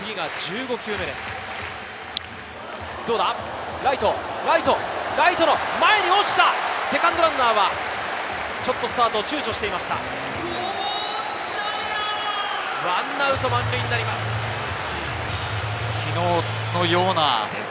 １アウト満塁になります。